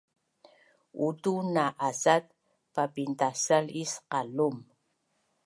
untu na asat papintasal is qalum